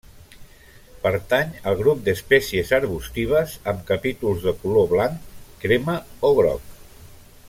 Pertany al grup d'espècies arbustives amb capítols de color blanc, crema o groc.